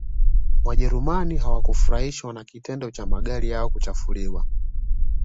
wajerumani hawakufurahishwa na kitendo cha magari yao kuchafuliwa